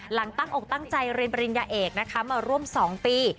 หลังตั้งอกตั้งใจเรียนปริญญาเอกนะคะมาร่วม๒ปี